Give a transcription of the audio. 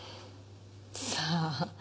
さあ。